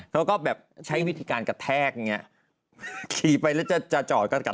และทุกคนนุ่มสั้นหมดเลยจ้า